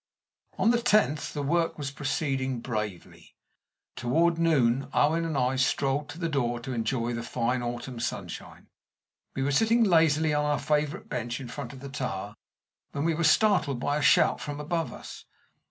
On the tenth the work was proceeding bravely. Toward noon Owen and I strolled to the door to enjoy the fine autumn sunshine. We were sitting lazily on our favorite bench in front of the tower when we were startled by a shout from above us.